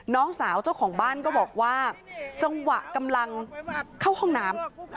น้องสาวเจ้าของบ้านก็บอกว่าจังหวะกำลังเข้าห้องน้ำ